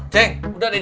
ceng sudah deh